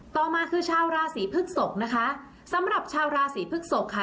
ต่อมาคือชาวราศีพฤกษกนะคะสำหรับชาวราศีพฤกษกค่ะ